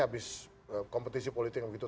habis kompetisi politik yang begitu